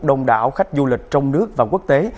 đông đảo khách du lịch trong nước và quốc tế